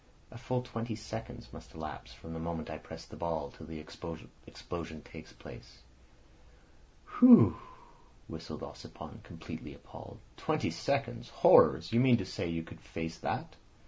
"A full twenty seconds must elapse from the moment I press the ball till the explosion takes place." "Phew!" whistled Ossipon, completely appalled. "Twenty seconds! Horrors! You mean to say that you could face that?